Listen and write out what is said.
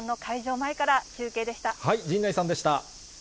前から陣内さんでした。